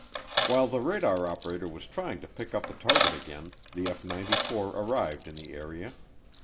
While the radar operator was trying to pick up the target again, the F 94 arrived in the area.